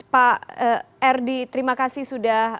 pak erdi terima kasih sudah